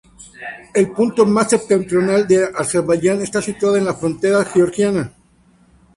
El punto más septentrional de Azerbaiyán esta situada en la frontera georgiana.